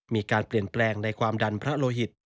มีการเปลี่ยนแปลงในความดันพระโลหิต